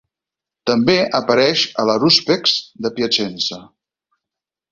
També apareix a l'Harúspex de Piacenza.